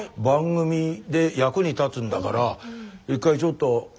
番組で役に立つんだから一回ちょっと。